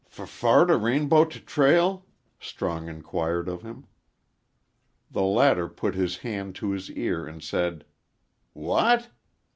"F fur to Rainbow T Trail?" Strong inquired of him. The latter put his hand to his ear and said, "What?"